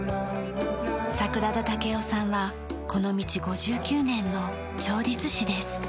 櫻田武夫さんはこの道５９年の調律師です。